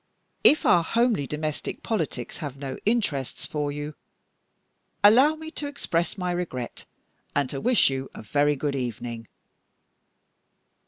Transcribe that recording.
If our homely domestic politics have no interests for you, allow me to express my regret, and to wish you a very good evening."